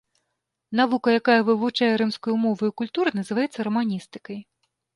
Навука, якая вывучае рымскую мову і культуру, называецца раманістыкай.